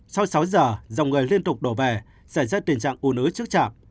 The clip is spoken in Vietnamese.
sau sáu giờ dòng người liên tục đổ vẻ giải trách tình trạng u nứ trước chạm